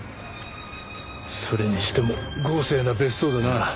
それにしても豪勢な別荘だな。